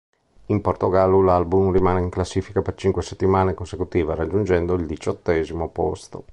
In Portogallo l'album rimane in classifica per cinque settimane consecutive, raggiungendo il diciottesimo posto.